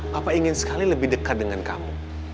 bapak ingin sekali lebih dekat dengan kamu